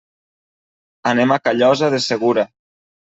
Anem a Callosa de Segura.